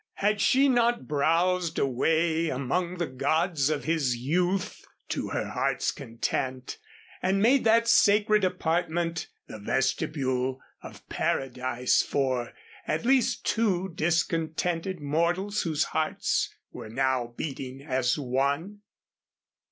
Had she not browsed away among the gods of his youth to her heart's content and made that sacred apartment the vestibule of Paradise for at least two discontented mortals whose hearts were now beating as one?